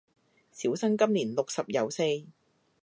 小生今年六十有四